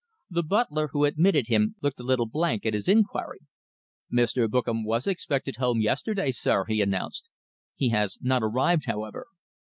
The butler who admitted him looked a little blank at his inquiry. "Mr. Bookam was expected home yesterday, sir," he announced. "He has not arrived, however."